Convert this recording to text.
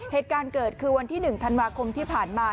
เหตุการณ์เกิดคือวันที่๑ธันวาคมที่ผ่านมา